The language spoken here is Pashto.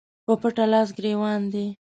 په پټه لاس ګرېوان دي